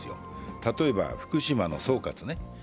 例えば福島の総括ね。